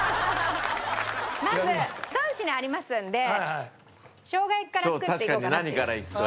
まず３品ありますのでしょうが焼きから作っていこうかなって。